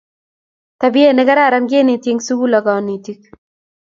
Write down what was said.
tabiait nekararan keneti en suku ak konetik